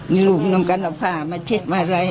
มีลูกนำการณภาพมาเช็ดไว้ไหน